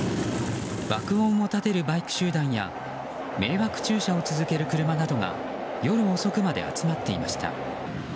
爆音を立てるバイク集団や迷惑駐車を続ける車などが夜遅くまで集まっていました。